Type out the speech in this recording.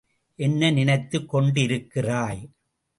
என்ன நினைத்துக் கொண்டிருக்கிறாய்?